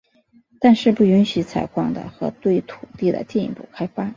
但是不允许采矿和对土地的进一步开发。